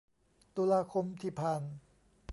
ตุลาคมที่ผ่าน